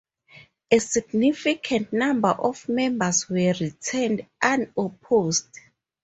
A significant number of members were returned unopposed.